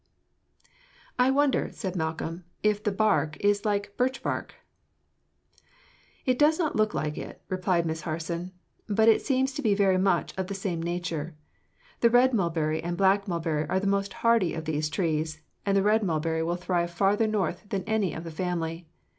"I wonder," said Malcolm, "if the bark is like birch bark?" "It does not look like it," replied Miss Harson, "but it seems to be very much of the same nature. The red mulberry and black mulberry are the most hardy of these trees, and the red mulberry will thrive farther north than any of the family.